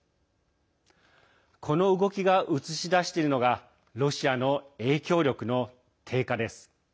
この動きが映し出しているのがロシアの影響力の低下です。